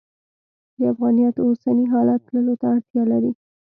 د افغانیت اوسني حالت تللو ته اړتیا لري.